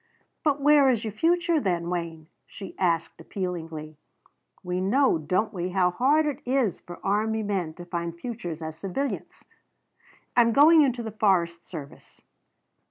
"But where is your future then, Wayne?" she asked appealingly. "We know, don't we, how hard it is for army men to find futures as civilians?" "I'm going into the forest service."